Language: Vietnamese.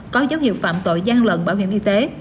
có dấu hiệu phạm tội gian lận bảo hiểm y tế